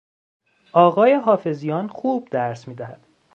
آقای حافظیان خوب درس میدهد.